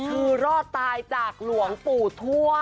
คือรอดตายจากหลวงปู่ทั่ว